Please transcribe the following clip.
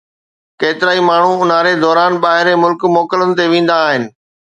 ڪيترائي ماڻهو اونهاري دوران ٻاهرين ملڪ موڪلن تي ويندا آهن.